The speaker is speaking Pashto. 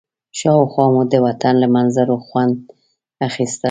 شاوخوا مو د وطن له منظرو خوند اخيسته.